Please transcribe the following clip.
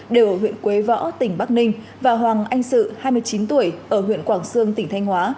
đều ở huyện quế võ tỉnh bắc ninh và hoàng anh sự hai mươi chín tuổi ở huyện quảng sương tỉnh thanh hóa